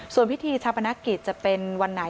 ส่วนพิธีชาปนกิจจะเป็นวันไหน